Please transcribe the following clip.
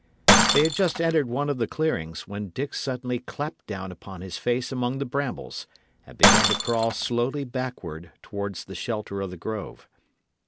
They had just entered one of the clearings, when Dick suddenly clapped down upon his face among the brambles, and began to crawl slowly backward towards the shelter of the grove.